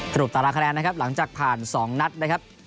รูปตาราคะแนนนะครับหลังจากผ่าน๒นัดนะครับ